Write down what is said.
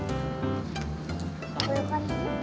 こういう感じ？